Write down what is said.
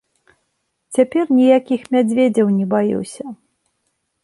Цяпер ніякіх мядзведзяў не баюся.